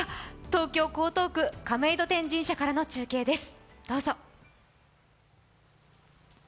東京・江東区亀戸天神社からの中継です。